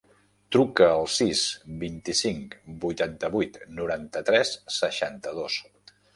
Truca al sis, vint-i-cinc, vuitanta-vuit, noranta-tres, seixanta-dos.